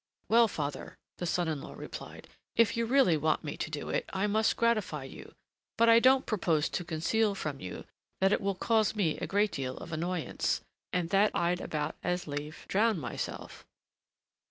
"Well, father," the son in law replied, "if you really want me to do it, I must gratify you. But I don't propose to conceal from you that it will cause me a great deal of annoyance, and that I'd about as lief drown myself.